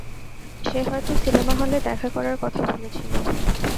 সে হয়ত সিনেমাহলে দেখা করার কথা বলেছিল।